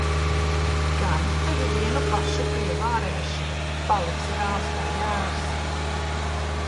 Gan es tevi vienu pašu pievarēšu! Paliksi rāms kā jērs.